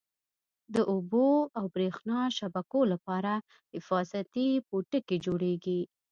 د اوبو او بریښنا شبکو لپاره حفاظتي پوټکی جوړیږي.